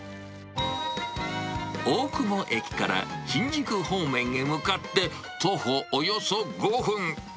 大久保駅から新宿方面へ向かって徒歩およそ５分。